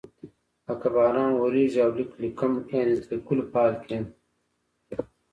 لکه باران وریږي او لیک لیکم یعنی د لیکلو په حال کې یم.